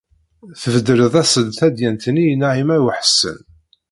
Tbedred-as-d tadyant-nni i Naɛima u Ḥsen.